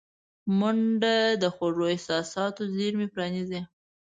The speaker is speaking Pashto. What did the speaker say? منډه د خوږو احساساتو زېرمې پرانیزي